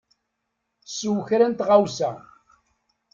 Sew kra n tɣawsa.